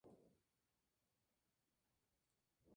Existen diferentes enfermedades que pueden causar colitis.